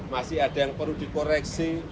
masih ada yang perlu dikoreksi